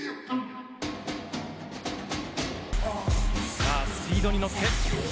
さあスピードに乗って。